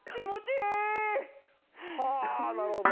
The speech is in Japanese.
はあなるほど。